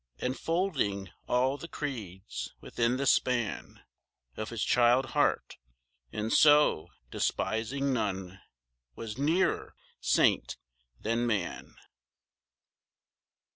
Enfolding all the creeds within the span Of his child heart; and so, despising none, Was nearer saint than man.